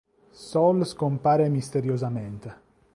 Saul scompare misteriosamente.